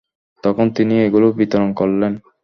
তখন তিনি এগুলো বিতরণ করলেন।